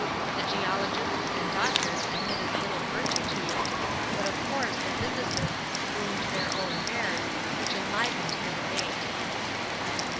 The geologists and doctors admitted little virtue to it, but of course the physicists boomed their own wares, which enlivened the debate.